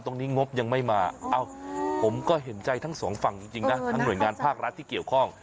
งงบยังไม่มาเอ้าผมก็เห็นใจทั้งสองฝั่งจริงนะทั้งหน่วยงานภาครัฐที่เกี่ยวข้อง